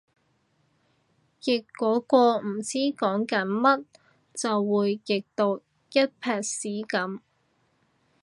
譯嗰個唔知講緊乜就會譯到一坺屎噉